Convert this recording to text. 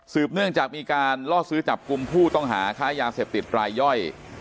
เนื่องจากมีการล่อซื้อจับกลุ่มผู้ต้องหาค้ายาเสพติดรายย่อย